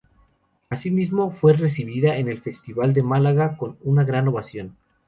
Asimismo, fue recibida en el Festival de Málaga con una gran ovación.